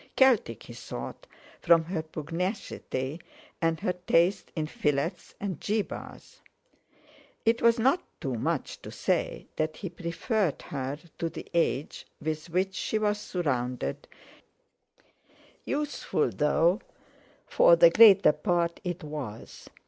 Celtic, he thought, from her pugnacity, and her taste in fillets and djibbahs. It was not too much to say that he preferred her to the Age with which she was surrounded, youthful though, for the greater part, it was.